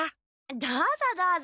どうぞどうぞ。